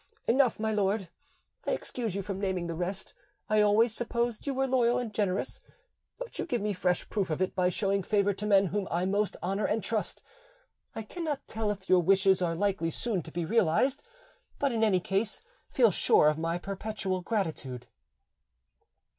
"Enough, my lord; I excuse you from naming the rest: I always supposed you were loyal and generous, but you give me fresh proof of it by showing favour to men whom I most honour and trust. I cannot tell if your wishes are likely soon to be realised, but in any case feel sure of my perpetual gratitude."